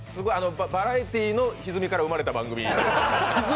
バラエティーのひずみから生まれた番組。